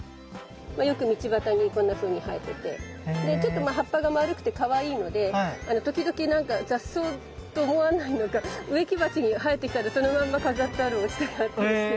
よく道端にこんなふうに生えててちょっと葉っぱが丸くてかわいいので時々雑草と思わないのか植木鉢に生えてきたらそのまんま飾ってあるおうちとかあったりして。